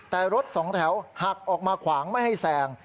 แต่รถสองแถวหักออกมาขวางไม่ให้แซง